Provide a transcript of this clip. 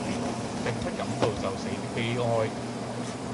並不感到就死的悲哀。